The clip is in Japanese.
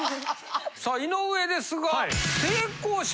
さあ井上ですが。